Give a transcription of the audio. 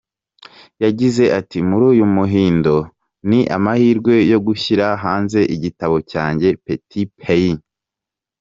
Yagize ati “Muri uyu muhindo, ni amahirwe yo gushyira hanze igitabo cyanjye ‘Petit Pays’.